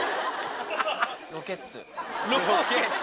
ロケッツ。